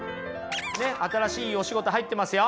新しいお仕事入ってますよ。